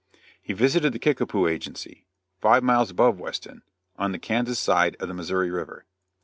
He visited the Kickapoo agency five miles above Weston on the Kansas side of the Missouri river.